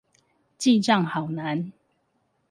記帳好難